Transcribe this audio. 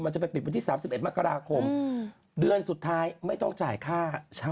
จะไปปิดวันที่๓๑มกราคมเดือนสุดท้ายไม่ต้องจ่ายค่าเช่า